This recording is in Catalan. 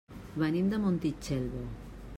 Venim de Montitxelvo.